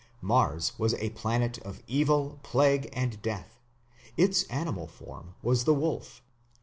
Mars was a planet of evil, plague, and death; its animal form was the wolf.